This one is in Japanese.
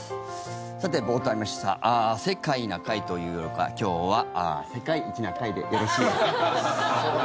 さて、冒頭にありました「世界な会」というよりか今日は「世界一な会」でよろしいでしょうか？